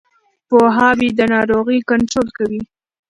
پوهاوی د ناروغۍ کنټرول کوي.